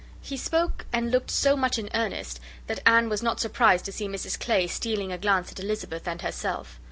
He spoke and looked so much in earnest, that Anne was not surprised to see Mrs Clay stealing a glance at Elizabeth and herself.